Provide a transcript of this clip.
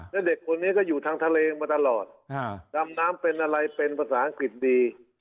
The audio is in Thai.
แล้วเด็กคนนี้ก็อยู่ทางทะเลมาตลอดดำน้ำเป็นอะไรเป็นภาษาอังกฤษดี